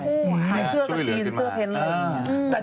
ช่วยเหลือกินมาก